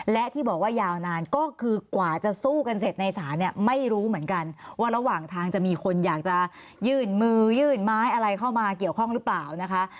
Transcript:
และที่บอกว่ายาวนานก็คือกว่าจะสู้กันเสร็จในศาลเนี่ยไม่รู้เหมือนกันว่าระหว่างทางจะมีคนอยากจะยื่นมือยื่นไม้อะไรเข้ามาเกี่ยวข้องหรือเปล่านะคะ